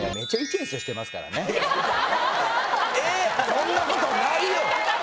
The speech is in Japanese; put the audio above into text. そんなことない！